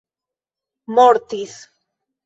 mortis